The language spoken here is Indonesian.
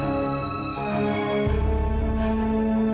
tante dan mila